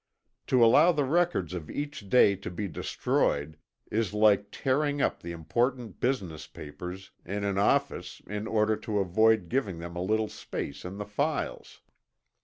To allow the records of each day to be destroyed is like tearing up the important business papers in an office in order to avoid giving them a little space in the files.